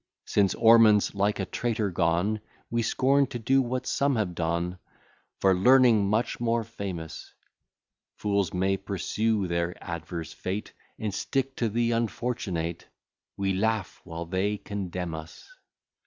Since Ormond's like a traitor gone, We scorn to do what some have done, For learning much more famous; Fools may pursue their adverse fate, And stick to the unfortunate; We laugh while they condemn us.